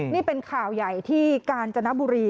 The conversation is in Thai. นี่เป็นข่าวใหญ่ที่กาญจนบุรี